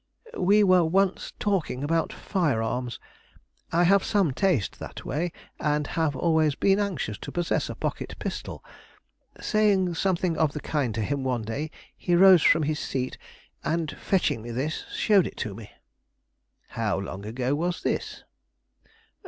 "We were once talking about firearms. I have some taste that way, and have always been anxious to possess a pocket pistol. Saying something of the kind to him one day, he rose from his seat and, fetching me this, showed it to me." "How long ago was this?"